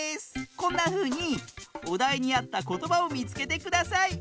こんなふうにおだいにあったことばをみつけてください！